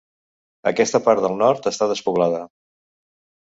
Aquesta part del nord està despoblada.